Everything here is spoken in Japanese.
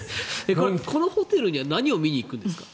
このホテルには何を見に行くんですか？